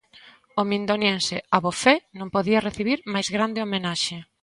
O mindoniense, abofé, non podía recibir máis grande homenaxe.